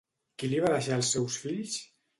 Qui li va deixar els seus fills?